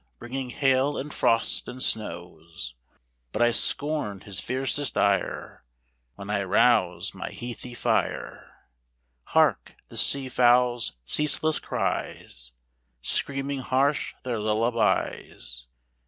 4 // Bringing hail, and frost, and snows; But I scorn his fiercest ire, When I rouse my heathy fire. Hark, the sea fowls' ceaseless cries, Screaming harsh their lullabies.